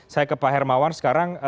saya ke pak hermawan sekarang